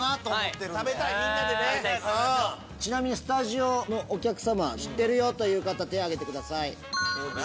ちなみにスタジオのお客様知ってる方手挙げてください。